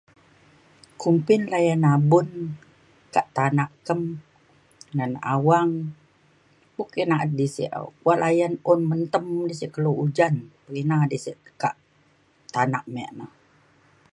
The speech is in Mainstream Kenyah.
kumbin layan abun kak tanak kem ngan awang puk na’at sek layan mentem di sek ca dina sek tekak tanak me na